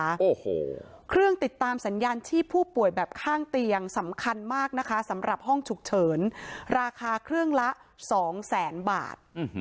โอ้โหเครื่องติดตามสัญญาณชีพผู้ป่วยแบบข้างเตียงสำคัญมากนะคะสำหรับห้องฉุกเฉินราคาเครื่องละสองแสนบาท